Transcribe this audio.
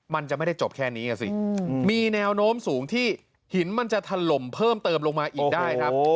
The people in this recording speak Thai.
มันจะไม่ได้จบแค่นี้สิมีแนวโน้มสูงที่หินมันจะถล่มเพิ่มเติมลงมาอีกได้ครับ